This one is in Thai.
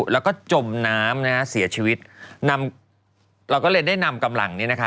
แล้วก็จมน้ำเสียชีวิตเราก็เลยได้นำกำลังนี้